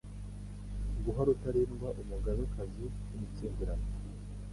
guha Rutarindwa Umugabe-kazi w' "umutsindirano"